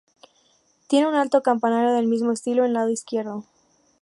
Tiene un alto campanario del mismo estilo, en el lado izquierdo.